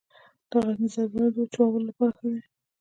د غزني زردالو د وچولو لپاره ښه دي.